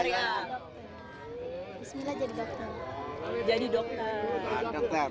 bismillah jadi dokter